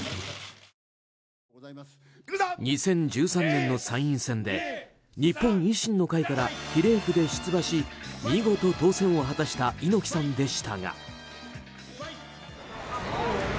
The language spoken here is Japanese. ２０１３年の参院選で日本維新の会から比例区で出馬し見事、当選を果たした猪木さんでしたが。